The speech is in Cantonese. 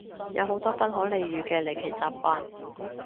有好多不可理喻嘅離奇習慣